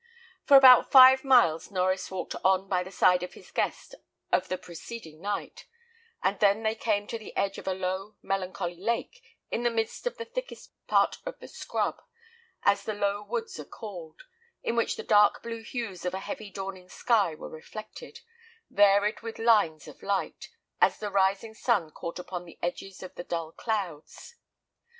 For about five miles Norries walked on by the side of his guest of the preceding night; and then they came to the edge of a low melancholy lake, in the midst of the thickest part of the scrub, as the low woods are called, in which the dark blue hues of a heavy dawning sky were reflected, varied with lines of light, as the rising sun caught upon the edges of the dull clouds.